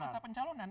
itu masa pencalonan